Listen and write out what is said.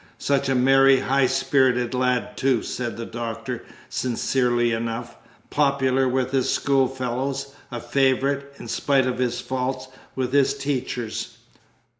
"Such a merry, high spirited lad, too," said the Doctor, sincerely enough; "popular with his schoolfellows; a favourite (in spite of his faults) with his teachers."